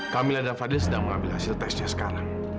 kamila dan fadil sedang mengambil hasil tesnya sekarang